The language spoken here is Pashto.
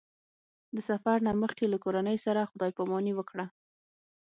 د سفر نه مخکې له کورنۍ سره خدای پاماني وکړه.